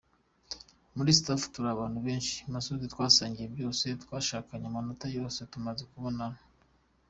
Muri staff turi abantu benshi, Masud twasangiye byose, twashakanye amanota yose tumaze kubona.